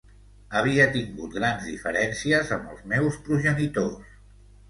Havia tingut grans diferències amb els meus progenitors.